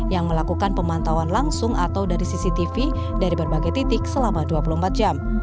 yang melakukan pemantauan langsung atau dari cctv dari berbagai titik selama dua puluh empat jam